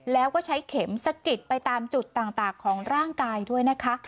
แล้วก็ใช้เข็มสะกิดไปตามจุดต่างของร่างกายด้วยนะคะ